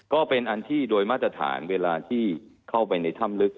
ก็เป็นอันที่โดยมาตรฐานเวลาที่เข้าไปในถ้ำลึก